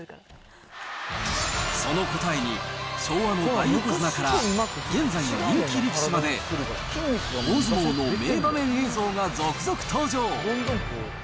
その答えに、昭和の大横綱から現在の人気力士まで、大相撲の名場面映像が続々登場。